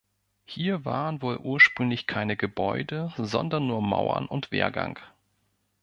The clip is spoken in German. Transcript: Hier waren wohl ursprünglich keine Gebäude, sondern nur Mauern und Wehrgang.